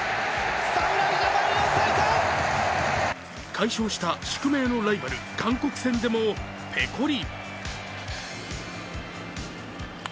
快勝した宿命のライバル韓国戦でもぺこり。